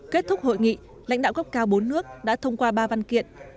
kết thúc hội nghị lãnh đạo cấp cao bốn nước đã thông qua ba văn kiện